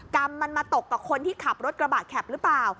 กรรมมันมาตกกับคนที่ขับรถกระบะแข็บหรือเปล่า